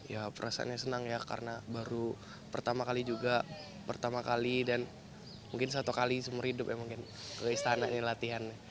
ya perasaannya senang ya karena baru pertama kali juga pertama kali dan mungkin satu kali seumur hidup ya mungkin ke istana nih latihan